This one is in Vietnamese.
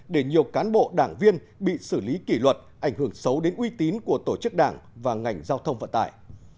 để nhiều cán bộ đảng viên bị xử lý kỷ luật ảnh hưởng xấu đến uy tín của tổ chức đảng và ngành giao thông vận tải